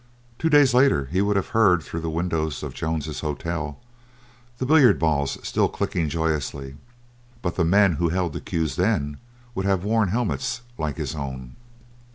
Two days later he would have heard through the windows of Jones's Hotel the billiard balls still clicking joyously, but the men who held the cues then would have worn helmets like his own.